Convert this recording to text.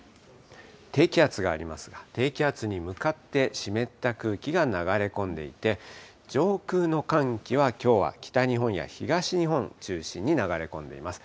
低気圧がありますが、低気圧に向かって湿った空気が流れ込んでいて、上空の寒気はきょうは、北日本や東日本中心に流れ込んでいます。